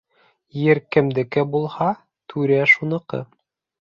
Ер кемдеке булһа, түрә шуныҡы.